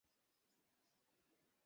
হেই, Castro.